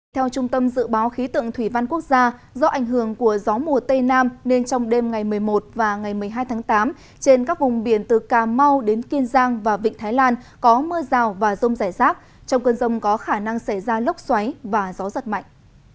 theo trung tâm dự báo khí tượng thủy văn quốc gia do ảnh hưởng của gió mùa tây nam nên trong đêm ngày một mươi một và ngày một mươi hai tháng tám trên các vùng biển từ cà mau đến kiên giang và vịnh thái lan có mưa rào và rông rải rác trong cơn rông có khả năng xảy ra lốc xoáy và gió giật mạnh